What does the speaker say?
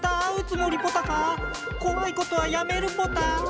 こわいことはやめるポタ。